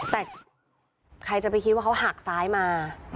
แต่ใครจะไปคิดว่าเขาหักซ้ายมา